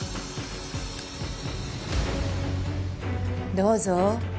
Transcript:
どうぞ。